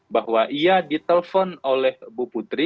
bahwa ia ditelepon oleh bu putri